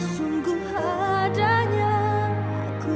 sungguh adanya aku